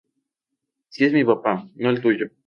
Si es mi papá, no el tuyo.